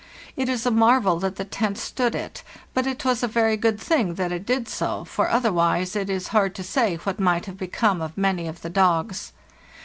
It is a marvel that the tent stood it; but it was a very good thing that it did do so, for other wise it is hard to say what might have become of many of the dogs.